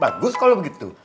bagus kalau begitu